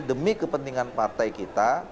demi kepentingan partai kita